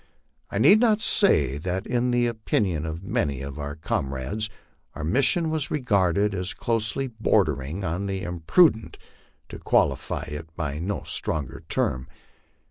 I need not say that in the opinion of many of our comrades our mission was regarded as closely bordering on the imprudent, to qualify it by no stronger term.